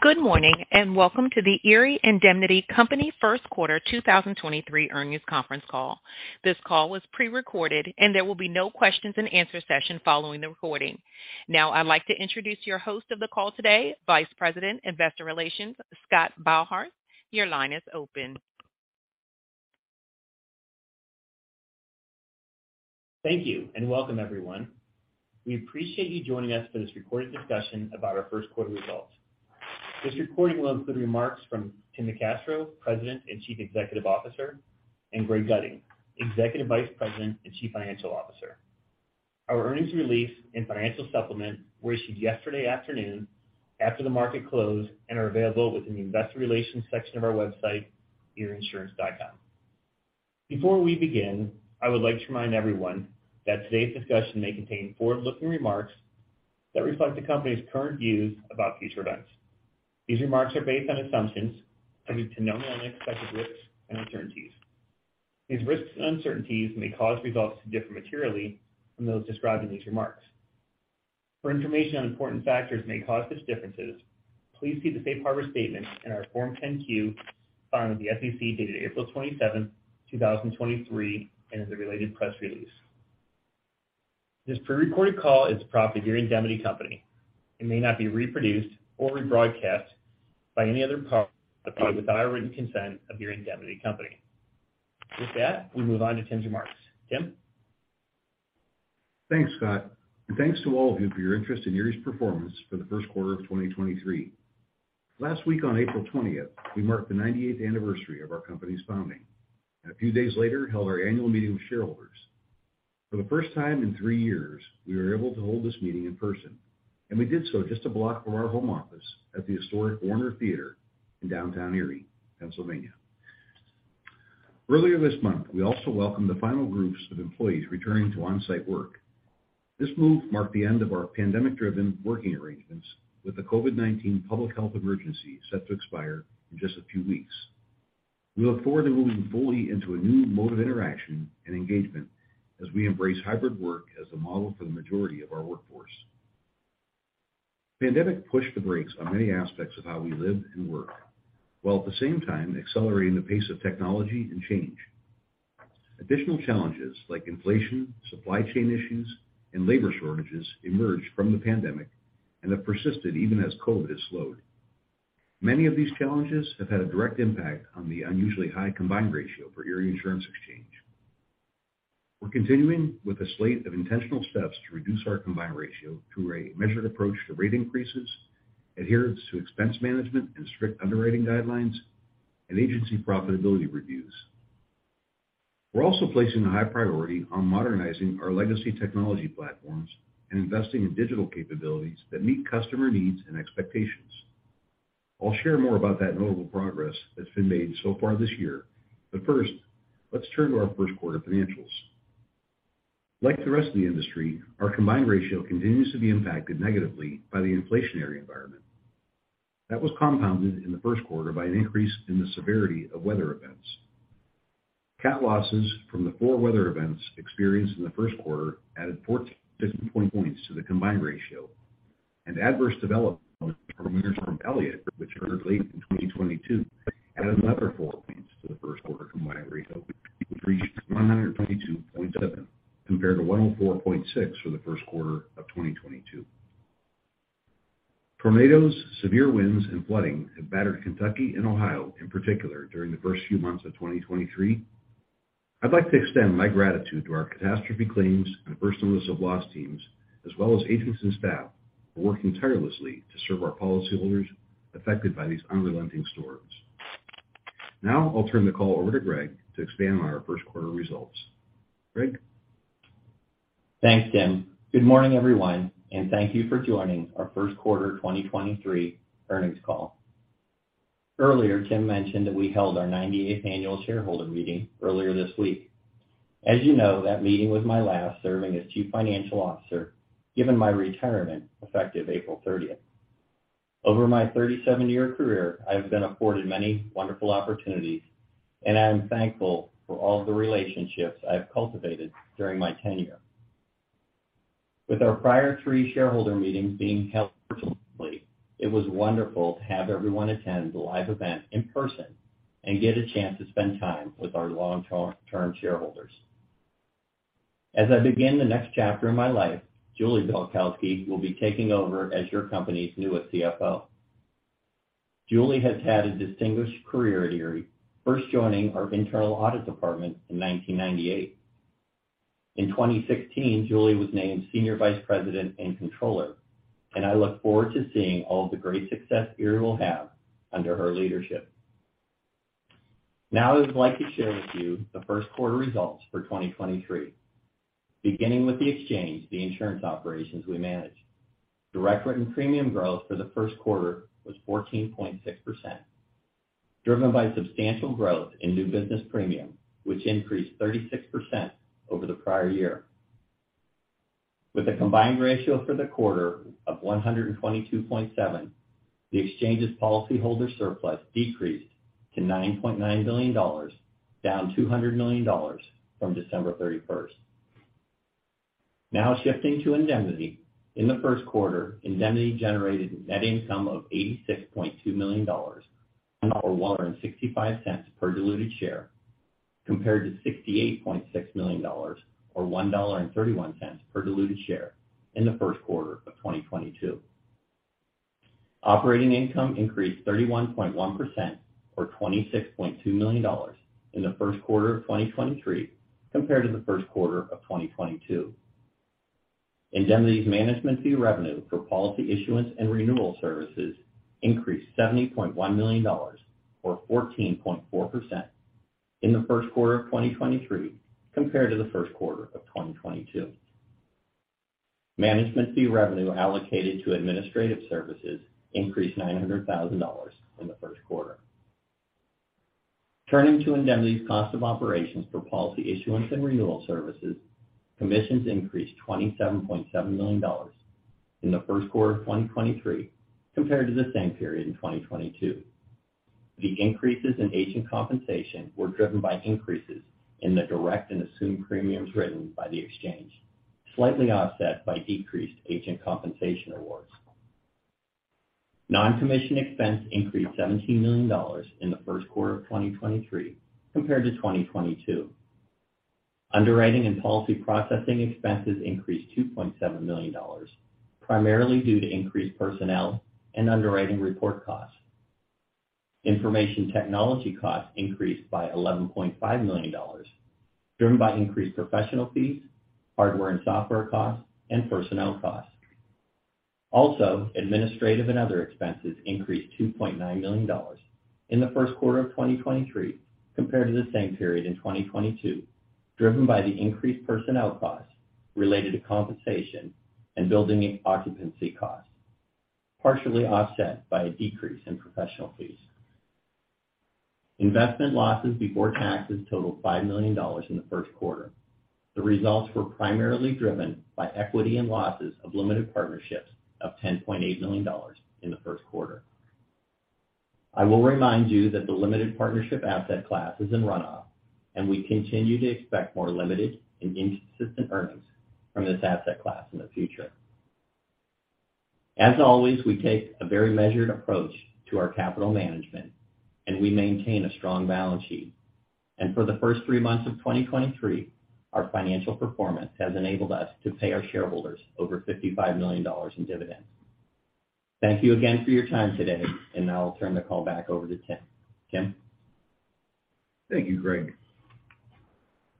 Good morning, and welcome to the Erie Indemnity Company First Quarter 2023 Earnings Conference Call. This call was pre-recorded, and there will be no question-and-answer session following the recording. Now I'd like to introduce your host of the call today, Vice President, Investor Relations, Scott Beilharz. Your line is open. Thank you, and welcome, everyone. We appreciate you joining us for this recorded discussion about our first quarter results. This recording will include remarks from Tim NeCastro, President and Chief Executive Officer, and Greg Gutting, Executive Vice President and Chief Financial Officer. Our earnings release and financial supplement were issued yesterday afternoon after the market closed and are available within the investor relations section of our website, erieinsurance.com. Before we begin, I would like to remind everyone that today's discussion may contain forward-looking remarks that reflect the company's current views about future events. These remarks are based on assumptions subject to known and unexpected risks and uncertainties. These risks and uncertainties may cause results to differ materially from those described in these remarks. For information on important factors may cause such differences, please see the safe harbor statement in our Form 10-Q filed with the SEC dated 27th April 2023, and in the related press release. This prerecorded call is the property of Erie Indemnity Company and may not be reproduced or rebroadcast by any other party without the written consent of Erie Indemnity Company. With that, we move on to Tim's remarks. Tim? Thanks, Scott, thanks to all of you for your interest in Erie's performance for the first quarter of 2023. Last week, on 20th April we marked the 98th anniversary of our company's founding, a few days later, held our annual meeting with shareholders. For the first time in three years, we were able to hold this meeting in person, we did so just a block from our home office at the historic Warner Theatre in downtown Erie, Pennsylvania. Earlier this month, we also welcomed the final groups of employees returning to on-site work. This move marked the end of our pandemic-driven working arrangements with the COVID-19 public health emergency set to expire in just a few weeks. We look forward to moving fully into a new mode of interaction and engagement as we embrace hybrid work as the model for the majority of our workforce. The pandemic pushed the brakes on many aspects of how we live and work, while at the same time accelerating the pace of technology and change. Additional challenges like inflation, supply chain issues, and labor shortages emerged from the pandemic and have persisted even as COVID has slowed. Many of these challenges have had a direct impact on the unusually high combined ratio for Erie Insurance Exchange. We're continuing with a slate of intentional steps to reduce our combined ratio through a measured approach to rate increases, adherence to expense management and strict underwriting guidelines, and agency profitability reviews. We're also placing a high priority on modernizing our legacy technology platforms and investing in digital capabilities that meet customer needs and expectations. I'll share more about that notable progress that's been made so far this year. First, let's turn to our first quarter financials. Like the rest of the industry, our combined ratio continues to be impacted negatively by the inflationary environment. That was compounded in the first quarter by an increase in the severity of weather events. Cat losses from the four weather events experienced in the first quarter added 14.50 point points to the combined ratio. Adverse development from Winter Storm Elliott, which occurred late in 2022, added another four points to the first quarter combined ratio, which reached 122.7, compared to 104.6 for the first quarter of 2022. Tornadoes, severe winds, and flooding have battered Kentucky and Ohio, in particular, during the first few months of 2023. I'd like to extend my gratitude to our catastrophe claims and personal lines of loss teams, as well as agents and staff who are working tirelessly to serve our policyholders affected by these unrelenting storms. Now, I'll turn the call over to Greg to expand on our first quarter results. Greg? Thanks, Tim. Good morning, everyone, and thank you for joining our first quarter 2023 earnings call. Earlier, Tim mentioned that we held our 98th annual shareholder meeting earlier this week. As you know, that meeting was my last serving as Chief Financial Officer, given my retirement effective April 30th. Over my 37 year career, I've been afforded many wonderful opportunities, and I am thankful for all the relationships I have cultivated during my tenure. With our prior three shareholder meetings being held virtually, it was wonderful to have everyone attend the live event in person and get a chance to spend time with our long-term shareholders. As I begin the next chapter of my life, Julie Pelkowski will be taking over as your company's newest CFO. Julie has had a distinguished career at ERIE, first joining our internal audit department in 1998. In 2016, Julie Pelkowski was named Senior Vice President and Controller, and I look forward to seeing all the great success ERIE will have under her leadership. I would like to share with you the first quarter results for 2023. Beginning with the Exchange, the insurance operations we manage. direct written premium growth for the first quarter was 14.6%, driven by substantial growth in new business premium, which increased 36% over the prior year. With a combined ratio for the quarter of 122.7, the Exchange's policyholder surplus decreased to $9.9 billion, down $200 million from December 31st. Shifting to Indemnity. In the first quarter, Indemnity generated a net income of $86.2 million, or $1.65 per diluted share, compared to $68.6 million, or $1.31 per diluted share in the first quarter of 2022. Operating income increased 31.1%, or $26.2 million in the first quarter of 2023 compared to the first quarter of 2022. Indemnity's management fee revenue for policy issuance and renewal services increased $70.1 million, or 14.4% in the first quarter of 2023 compared to the first quarter of 2022. Management fee revenue allocated to administrative services increased $900,000 in the first quarter. Turning to indemnity's cost of operations for policy issuance and renewal services, commissions increased $27.7 million in the first quarter of 2023 compared to the same period in 2022. The increases in agent compensation were driven by increases in the direct and assumed premiums written by the exchange, slightly offset by decreased agent compensation awards. Non-commission expense increased $17 million in the first quarter of 2023 compared to 2022. Underwriting and policy processing expenses increased $2.7 million, primarily due to increased personnel and underwriting report costs. Information technology costs increased by $11.5 million, driven by increased professional fees, hardware and software costs, and personnel costs. Administrative and other expenses increased $2.9 million in the first quarter of 2023 compared to the same period in 2022, driven by the increased personnel costs related to compensation and building occupancy costs, partially offset by a decrease in professional fees. Investment losses before taxes totaled $5 million in the first quarter. The results were primarily driven by equity and losses of limited partnerships of $10.8 million in the first quarter. I will remind you that the limited partnership asset class is in runoff, and we continue to expect more limited and inconsistent earnings from this asset class in the future. As always, we take a very measured approach to our capital management, and we maintain a strong balance sheet. For the first three months of 2023, our financial performance has enabled us to pay our shareholders over $55 million in dividends. Thank you again for your time today. I'll turn the call back over to Tim. Tim? Thank you, Greg.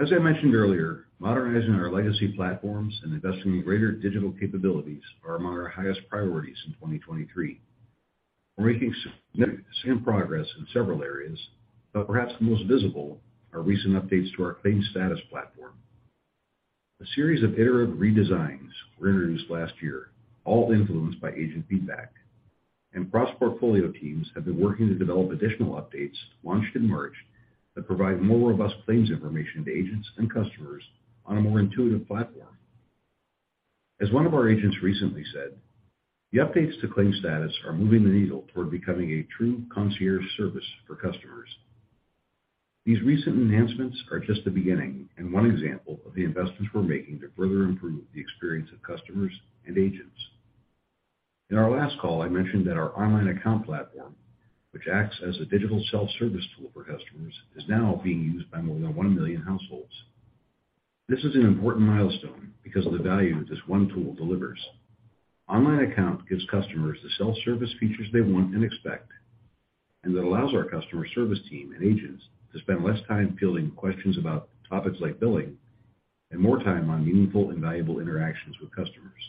As I mentioned earlier, modernizing our legacy platforms and investing in greater digital capabilities are among our highest priorities in 2023. We're making significant progress in several areas, but perhaps the most visible are recent updates to our claims status platform. A series of iterative redesigns were introduced last year, all influenced by agent feedback. Cross-portfolio teams have been working to develop additional updates launched in March that provide more robust claims information to agents and customers on a more intuitive platform. As one of our agents recently said, "The updates to claims status are moving the needle toward becoming a true concierge service for customers." These recent enhancements are just the beginning and one example of the investments we're making to further improve the experience of customers and agents. In our last call, I mentioned that our online account platform, which acts as a digital self-service tool for customers, is now being used by more than 1 million households. This is an important milestone because of the value this one tool delivers. Online account gives customers the self-service features they want and expect. That allows our customer service team and agents to spend less time fielding questions about topics like billing and more time on meaningful and valuable interactions with customers.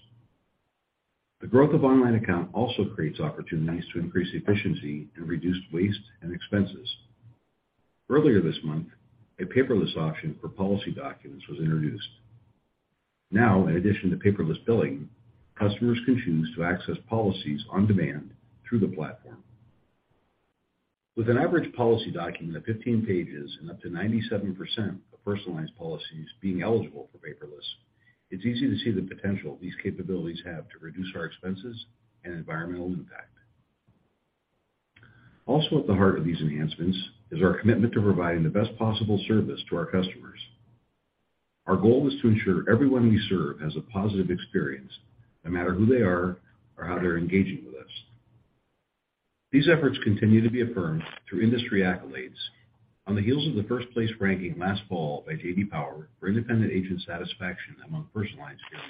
The growth of online account also creates opportunities to increase efficiency and reduce waste and expenses. Earlier this month, a paperless option for policy documents was introduced. Now, in addition to paperless billing, customers can choose to access policies on demand through the platform. With an average policy document of 15 pages and up to 97% of personalized policies being eligible for paperless, it's easy to see the potential these capabilities have to reduce our expenses and environmental impact. Also at the heart of these enhancements is our commitment to providing the best possible service to our customers. Our goal is to ensure everyone we serve has a positive experience, no matter who they are or how they're engaging with us. These efforts continue to be affirmed through industry accolades. On the heels of the first-place ranking last fall by J.D. Power for independent agent satisfaction among personalized agents,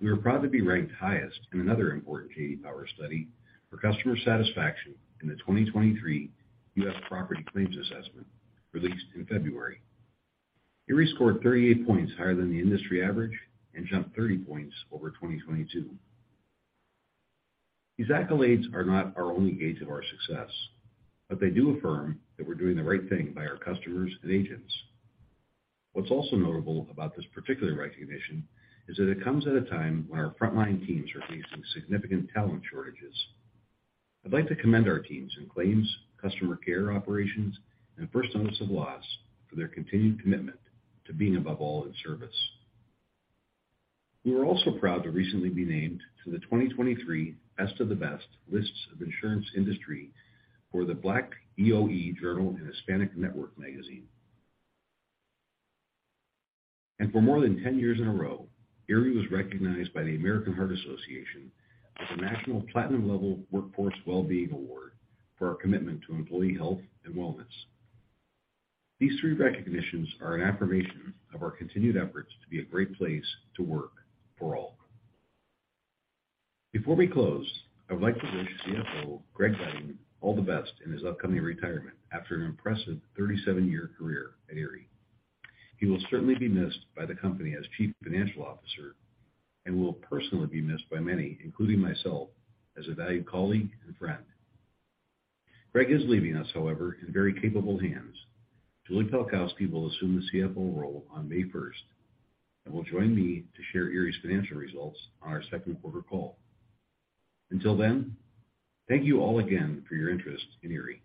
we are proud to be ranked highest in another important J.D. Power study for customer satisfaction in the 2023 U.S. Property Claims Assessment released in February. ERIE scored 38 points higher than the industry average and jumped 30 points over 2022. These accolades are not our only gauge of our success, but they do affirm that we're doing the right thing by our customers and agents. What's also notable about this particular recognition is that it comes at a time when our frontline teams are facing significant talent shortages. I'd like to commend our teams in claims, customer care operations, and first notice of loss for their continued commitment to being above all in service. We were also proud to recently be named to the 2023 Best of the Best lists of insurance industry for the Black EOE Journal and HISPANIC Network Magazine. For more than 10 years in a row, ERIE was recognized by the American Heart Association as a national platinum-level Workforce Well-being Award for our commitment to employee health and wellness. These three recognitions are an affirmation of our continued efforts to be a great place to work for all. Before we close, I would like to wish CFO Greg Gutting all the best in his upcoming retirement after an impressive 37year career at ERIE. He will certainly be missed by the company as chief financial officer, and will personally be missed by many, including myself, as a valued colleague and friend. Greg is leaving us, however, in very capable hands. Julie Pelkowski will assume the CFO role on May 1st and will join me to share ERIE's financial results on our second quarter call. Until then, thank you all again for your interest in ERIE.